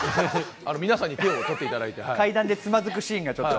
皆さんに手を取っていただいて。